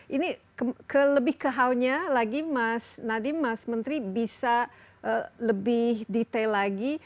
ini lebih ke how nya lagi mas nadiem mas menteri bisa lebih detail lagi